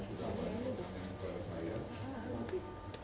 generasi yang berbeda dengan saya